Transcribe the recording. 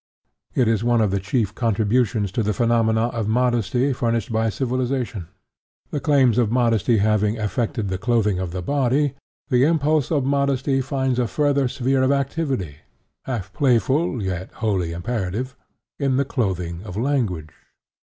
It is one of the chief contributions to the phenomena of modesty furnished by civilization. The claims of modesty having effected the clothing of the body, the impulse of modesty finds a further sphere of activity half playful, yet wholly imperative in the clothing of language.